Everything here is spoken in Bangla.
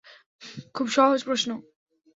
খুব সহজ প্রশ্ন।